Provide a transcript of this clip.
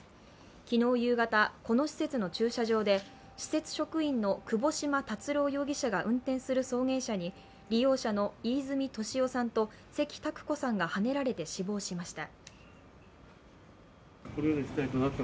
昨日夕方、この施設の駐車場で施設職員の窪島達郎が運転する送迎車に利用者の飯泉利夫さんと、関拓子さんがはねられて死亡しました。